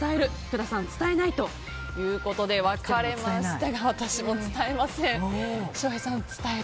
福田さん、伝えないということで分かれましたが私も伝えません。